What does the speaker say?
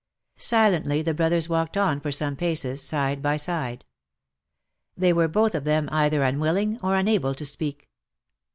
Silently the brothers walked on for some paces, side by side. They were both of them either unwilling, or unable to speak.